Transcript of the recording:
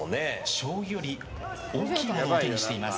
将棋より大きいものを手にしています。